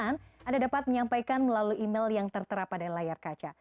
anda dapat menyampaikan melalui email yang tertera pada layar kaca